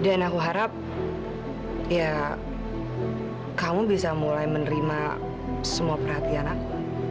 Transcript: dan aku harap ya kamu bisa mulai menerima semua perhatian aku